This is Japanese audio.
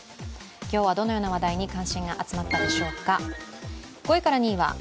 今日はどのような話題に関心が集まったのでしょうか。